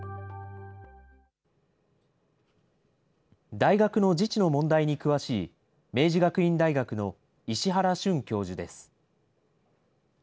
大学の自治の問題に詳しい明治学院大学の石原俊教授です。